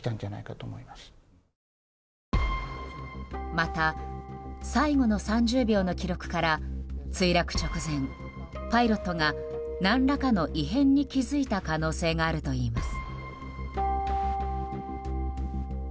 また、最後の３０秒の記録から墜落直前パイロットが何らかの異変に気づいた可能性があるといいます。